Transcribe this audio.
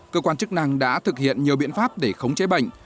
cơ quan chức năng đã thực hiện nhiều biện pháp để khống chế bệnh